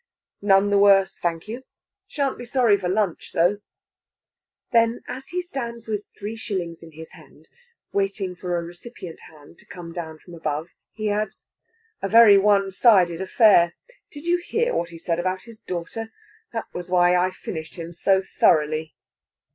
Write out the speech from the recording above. "None the worse, thank you! Shan't be sorry for lunch, though." Then, as he stands with three shillings in his hand, waiting for a recipient hand to come down from above, he adds: "A very one sided affair! Did you hear what he said about his daughter? That was why I finished him so thoroughly."